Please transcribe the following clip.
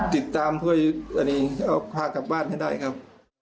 ติดตามเพื่อเอาพลาดกลับบ้านให้ได้ครับ